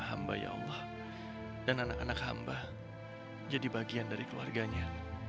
hamba ya allah dan anak anak hamba jadi bagian dari keluarganya